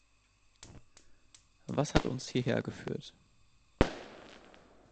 Was hat uns hierher geführt?